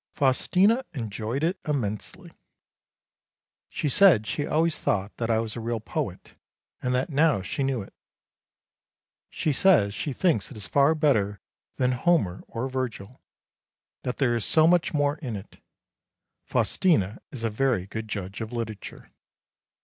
Faustina enjoyed it immensely. She said she always thought that I was a real poet, and that now she knew it. She says she thinks it is far better than Homer or Virgil; that there is so much more in it. Faustina is a very good judge of literature.